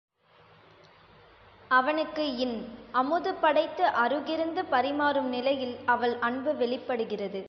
அவனுக்கு இன்.அமுது படைத்து அருகிருந்து பரிமாறும் நிலையில் அவள் அன்பு வெளிப் படுகிறது.